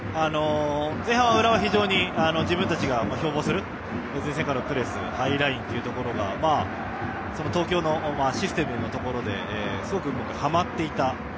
前半は浦和が自分たちが標榜する前線からのプレスハイラインというのが東京のシステムのところですごくはまっていた。